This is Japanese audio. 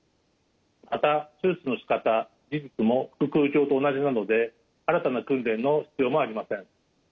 また手術のしかた技術も腹腔鏡と同じなので新たな訓練の必要もありません。